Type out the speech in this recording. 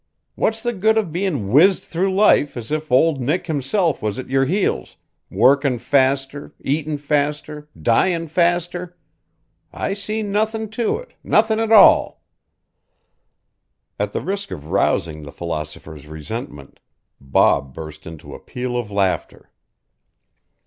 What's the good of bein' whizzed through life as if the old Nick himself was at your heels workin' faster, eatin' faster, dyin' faster? I see nothin' to it nothin' at all." At the risk of rousing the philosopher's resentment, Bob burst into a peal of laughter.